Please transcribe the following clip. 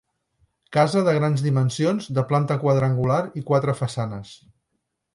Casa de grans dimensions, de planta quadrangular i quatre façanes.